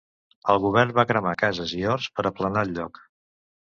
El govern va cremar cases i horts per aplanar el lloc.